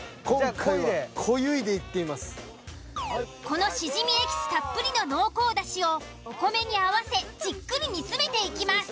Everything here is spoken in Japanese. このシジミエキスたっぷりの濃厚だしをお米に合わせじっくり煮詰めていきます。